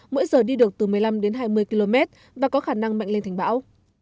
mỗi giờ đi được từ một mươi năm đến hai mươi km và có khả năng mạnh lên thành bão